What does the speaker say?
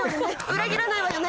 裏切らないわよね？